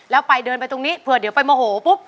แล้วไปเดินไปตรงนี้เผื่อเดี๋ยวไปโมโหปุ๊บ